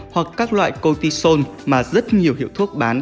hoặc các loại cortisol mà rất nhiều hiệu thuốc bán